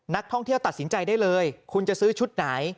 นักท่องเที่ยวตัดสินใจได้เลยคุณจะซื้อชุดไหน